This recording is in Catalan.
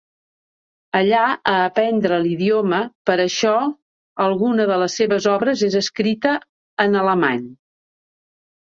Allà a aprendre l'idioma, per això alguna de les seves obres és escrita en Alemany.